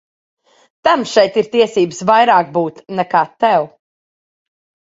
Tam šeit ir tiesības vairāk būt nekā tev.